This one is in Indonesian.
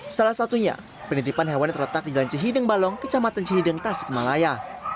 salah satunya penitipan hewan yang terletak di jalan cihideng balong ke camatan cihideng tasik malaya